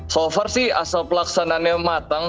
so far sih asal pelaksanaannya matang